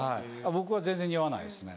僕は全然におわないですね。